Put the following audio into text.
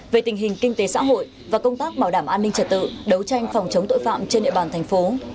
về tình hình kinh tế xã hội và công tác bảo đảm an ninh trật tự đấu tranh phòng chống tội phạm trên địa bàn thành phố